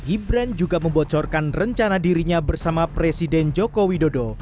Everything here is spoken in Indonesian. ibran juga membocorkan rencana dirinya bersama presiden jokowi dodo